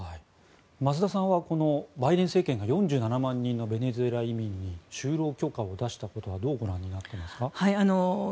増田さんはバイデン政権が４７万人のベネズエラ移民に就労許可を出したことはどうご覧になっていますか？